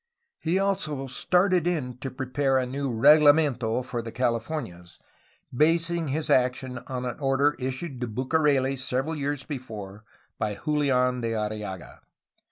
He also started in to prepare a new regla mento for the Californias, basing his action on an order issued to Bucareli several years before by Julian de Arriaga.